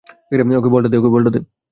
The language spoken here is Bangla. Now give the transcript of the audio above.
ওকে বলটা দে।